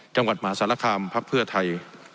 จังหวัดหมาสารคามพักเพื่อไทย